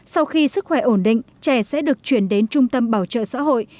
sau khi sức khỏe ổn định trẻ sẽ được chuyển đến trung tâm bảo trợ xã hội